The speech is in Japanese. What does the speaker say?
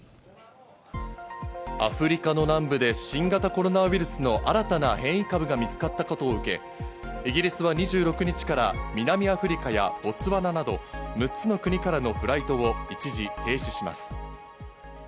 アフリカの南部で新型コロナウイルスの新たな変異株が見つかったことを受け、イギリスは２６日から南アフリカやボツワナなど６つの国からのフライトを一時停止します。